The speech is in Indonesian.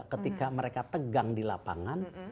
ketika mereka tegang di lapangan